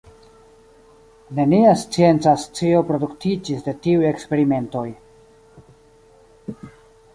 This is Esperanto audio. Nenia scienca scio produktiĝis de tiuj eksperimentoj.